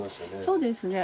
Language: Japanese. そうですね。